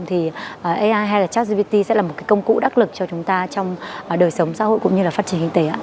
thì ai hay là chartsgpt sẽ là một cái công cụ đắc lực cho chúng ta trong đời sống xã hội cũng như là phát triển kinh tế ạ